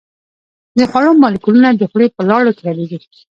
د خوړو مالیکولونه د خولې په لاړو کې حلیږي.